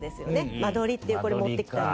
「間取り」っていうこれ持ってきたっていう。